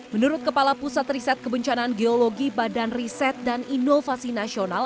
menurut kepala pusat riset kebencanaan geologi badan riset dan inovasi nasional